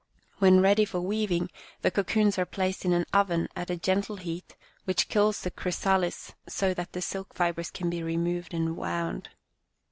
When ready for weaving, the cocoons are placed in an oven at a gentle heat which kills the chrysalis so that the silk fibres can be removed and wound."